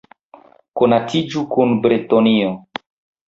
Konatiĝu kun Bretonio!